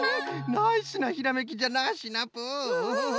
ナイスなひらめきじゃなシナプー！